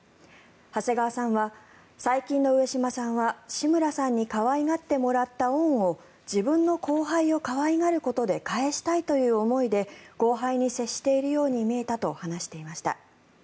長谷川さんは最近の上島さんは志村さんに可愛がってもらった恩を自分の後輩を可愛がることで返したいという思いで後輩に接しているように見えたと話していました。